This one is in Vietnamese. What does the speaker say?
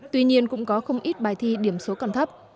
tuy nhiên cũng có không ít bài thi điểm số còn thấp